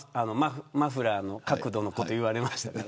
マフラーの角度のことを言われました。